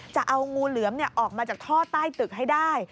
จะเอางูเหลือมออกมาจากท่อใต้ตึกให้ได้